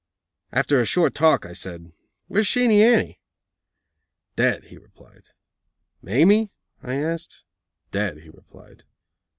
After a short talk, I said: "Where's Sheenie Annie?" "Dead," he replied. "Mamie?" I asked. "Dead," he replied.